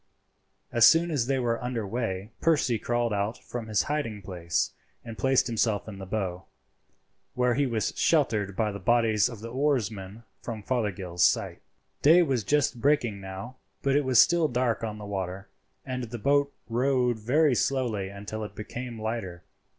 As soon as they were under weigh Percy crawled out from his hiding place and placed himself in the bow, where he was sheltered by the bodies of the oarsmen from Fothergill's sight. Day was just breaking now, but it was still dark on the water, and the boat rowed very slowly until it became lighter.